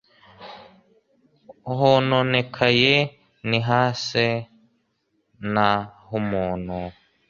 hononekaye ntihase na h’umuntu,